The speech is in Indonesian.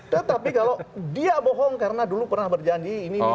tetapi kalau dia bohong karena dulu pernah berjanji ini